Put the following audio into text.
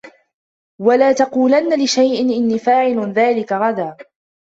ولا تقولن لشيء إني فاعل ذلك غدا